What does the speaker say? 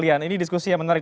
ini diskusi yang menarik